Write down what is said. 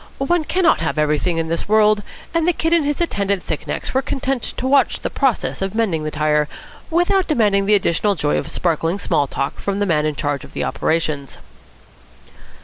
One cannot have everything in this world, and the Kid and his attendant thick necks were content to watch the process of mending the tyre, without demanding the additional joy of sparkling small talk from the man in charge of the operations.